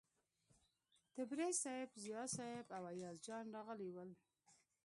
تبریز صیب، ضیا صیب او ایاز جان راغلي ول.